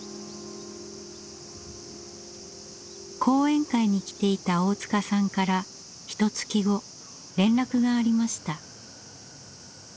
講演会に来ていた大塚さんからひとつき後連絡がありました。